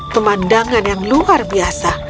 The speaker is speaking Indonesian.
pemandangan yang luar biasa